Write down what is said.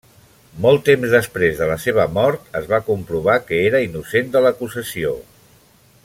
Molt temps després de la seva mort, es va comprovar que era innocent de l'acusació.